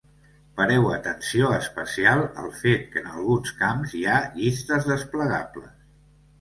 Pareu atenció especial al fet que en alguns camps hi ha llistes desplegables.